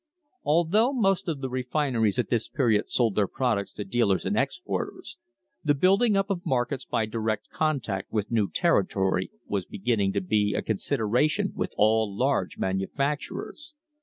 Although most of the refineries at this period sold their products to dealers and exporters, the building up of markets by direct contact with new territory was beginning to be a consideration with all large manufacturers.